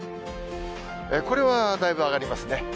これはだいぶ上がりますね。